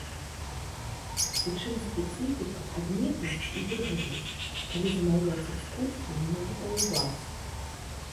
У чым спецыфіка, адметнасць і выгаднасць, калі замаўляць экскурсію менавіта ў вас?